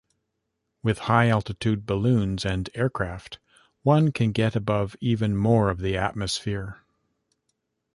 With high-altitude balloons and aircraft, one can get above even more of the atmosphere.